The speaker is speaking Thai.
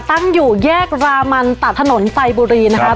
ตั้งอยู่แยกรามันตัดถนนไฟบุรีนะครับ